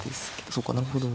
そうかなるほど。